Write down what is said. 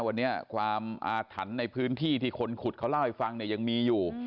วันนี้ความอาถรรพ์ในพื้นที่ที่คนขุดเขาเล่าให้ฟังเนี่ยยังมีอยู่